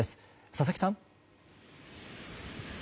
佐々木さん。